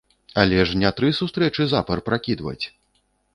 Але ж не тры сустрэчы запар пракідваць!